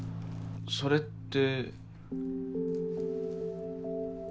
それって。